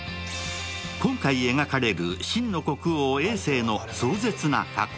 今回描かれる秦の国王・えい政の壮絶な過去。